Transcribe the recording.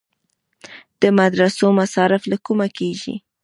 د مدرسو مصارف له کومه کیږي؟